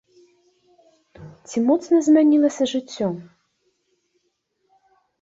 Ці моцна змянілася жыццё?